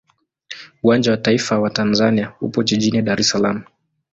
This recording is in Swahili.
Uwanja wa taifa wa Tanzania upo jijini Dar es Salaam.